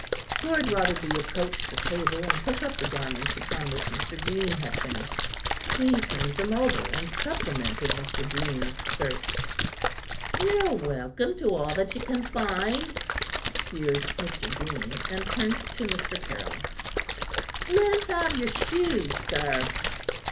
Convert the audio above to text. Lord Rotherby approached the table, and took up the garments upon which Mr. Green had finished. He turned them over and supplemented Mr. Green's search. "Ye're welcome to all that ye can find," sneered Mr. Green, and turned to Mr. Caryll. "Let us have your shoes, sir."